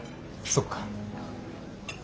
そっか。